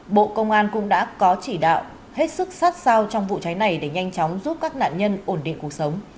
bộ công an cũng đã có chỉ đạo hết sức sát sao trong vụ cháy này để nhanh chóng giúp các nạn nhân ổn định cuộc sống